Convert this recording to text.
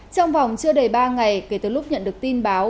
trong vòng chưa đầy ba ngày kể từ lúc nhận được tin báo